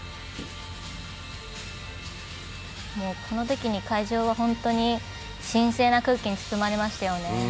このときに会場は本当に神聖な空気に包まれましたね。